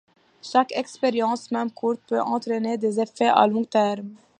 Chaque expérience, même courte, peut entraîner des effets à long terme.